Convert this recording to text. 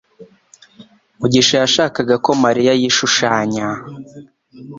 mugisha yashakaga ko Mariya yishushanya